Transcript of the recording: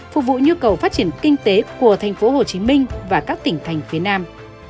phục vụ nhu cầu phát triển kinh tế của thành phố hồ chí minh và các tỉnh thành phía nam